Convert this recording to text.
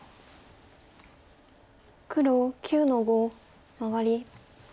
黒９の五マガリ。